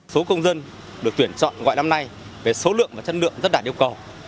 số công dân được tuyển chọn gọi năm nay về số lượng và chất lượng rất đạt yêu cầu